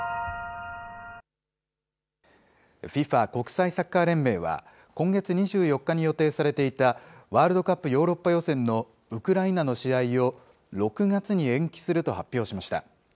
ＦＩＦＡ・国際サッカー連盟は、今月２４日に予定されていたワールドカップヨーロッパ予選のウクライナの試合を６月に延期すると発表しました。